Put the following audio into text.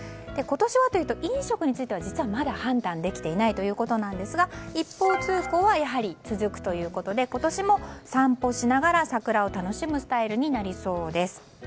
今年はというと飲食については実はまだ判断できていないということですが一方通行はやはり続くということで今年も散歩しながら桜を楽しむスタイルになりそうです。